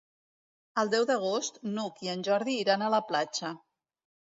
El deu d'agost n'Hug i en Jordi iran a la platja.